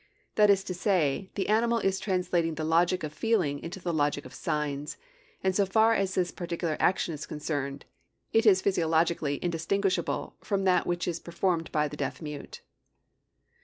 That is to say, the animal is translating the logic of feelings into the logic of signs; and so far as this particular action is concerned, it is psychologically indistinguishable from that which is performed by the deaf mute.'